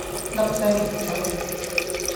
粒聲唔出